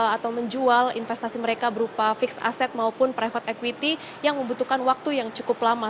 atau menjual investasi mereka berupa fixed asset maupun private equity yang membutuhkan waktu yang cukup lama